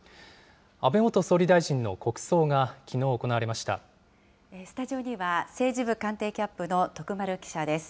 安倍元総理大臣の国葬がきのう行スタジオには、政治部官邸キャップの徳丸記者です。